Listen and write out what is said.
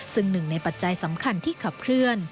ซึ่งหนึ่งในปัจจัยสำคัญที่ขับเคลื่อน